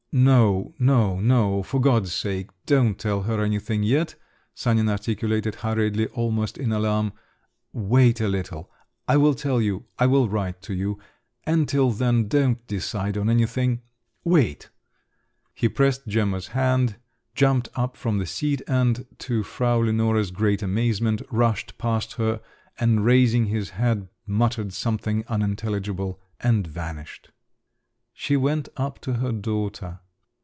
"No, no, no, for God's sake, don't tell her anything yet," Sanin articulated hurriedly, almost in alarm. "Wait a little … I will tell you, I will write to you … and till then don't decide on anything … wait!" He pressed Gemma's hand, jumped up from the seat, and to Frau Lenore's great amazement, rushed past her, and raising his hat, muttered something unintelligible—and vanished. She went up to her daughter.